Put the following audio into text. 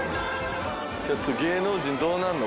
ちょっと芸能人どうなんの？